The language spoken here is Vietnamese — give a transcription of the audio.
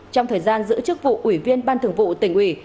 trong thời gian giữ chức vụ ủy viên ban thường vụ tỉnh ủy